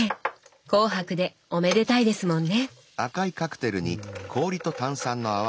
紅白でおめでたいですもんね！